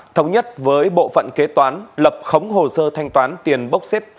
thống nhất với bộ phận kế toán lập khống hồ sơ thanh toán tiền bốc xếp